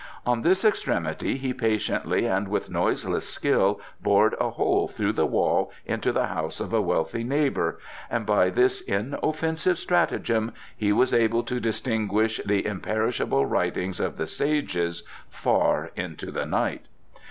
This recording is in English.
On this extremity he patiently and with noiseless skill bored a hole through the wall into the house of a wealthy neighbour, and by this inoffensive stratagem he was able to distinguish the imperishable writings of the Sages far into the night.